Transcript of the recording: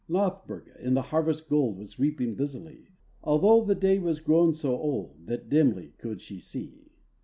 Nothburga in the harvest gold Was reaping busily, Although the day was grown so old That dimly could she see.